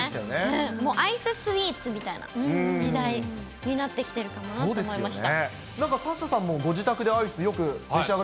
もうアイススイーツみたいな時代になってきてるかなと思いました。